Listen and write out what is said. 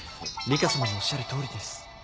リカさまのおっしゃるとおりです。